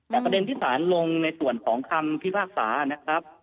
แต่ประเด็นที่สารลงในส่วนของคำพิพากษานะครับ